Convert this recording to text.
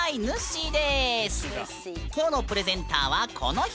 きょうのプレゼンターはこの人！